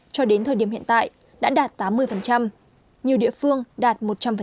cho đến thời điểm hiện tại đã đạt tám mươi nhiều địa phương đạt một trăm linh